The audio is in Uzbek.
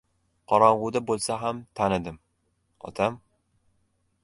Qorong‘uda bo‘lsa ham tanidim: otam!